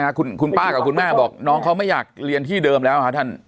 คุณคุณป้ากับคุณแม่บอกน้องเขาไม่อยากเรียนที่เดิมแล้วค่ะท่าน